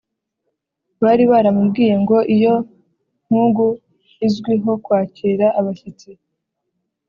bari baramubwiye ngo iyo mpugu izwiho kwakira abashyitsi